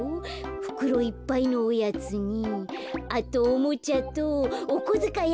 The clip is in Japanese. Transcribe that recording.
ふくろいっぱいのおやつにあとおもちゃとおこづかいアップもいいねえ。